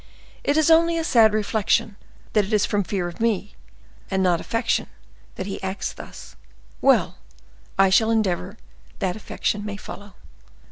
It is only a sad reflection that it is from fear of me, and not affection that he acts thus. Well, I shall endeavor that affection may follow."